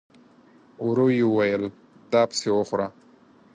ورو يې وويل: دا پسې وخوره!